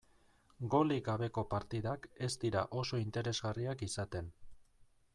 Golik gabeko partidak ez dira oso interesgarriak izaten.